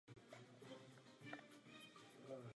Taková je dnešní realita.